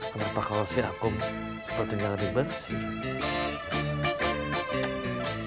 kenapa kalau sih aku sepertinya lebih bersih